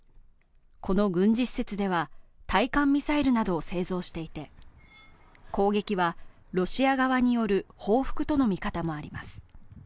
この軍事施設では対艦ミサイルなどを製造していて、攻撃はロシア側による報復との見方もあります。